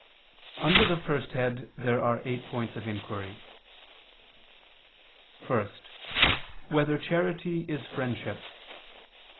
Under the first head there are eight points of inquiry: (1) Whether charity is friendship?